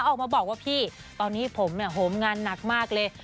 ออกมาบอกว่าพี่ตอนนี้ผมเนี่ยโหมงานหนักมากเลย